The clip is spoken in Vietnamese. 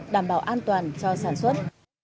đảm bảo an toàn cho sản xuất